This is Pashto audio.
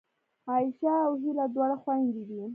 عایشه او هیله دواړه خوېندې دي